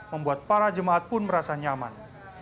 membuat para jemaat pun merasa nyaman